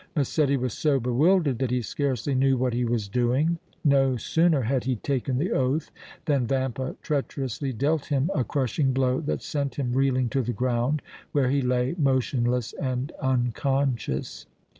Massetti was so bewildered that he scarcely knew what he was doing. No sooner had he taken the oath than Vampa treacherously dealt him a crushing blow that sent him reeling to the ground, where he lay motionless and unconscious.